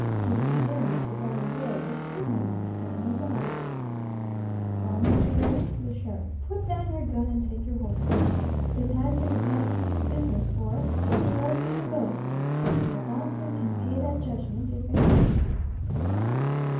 To heed them was the better way, if human life had any value. "Well, Mr. Gray," said the sheriff, "put down your gun and take your horses. This has been a bad piece of business for us take your horses and go, sir. My bondsmen can pay that judgment, if they have to."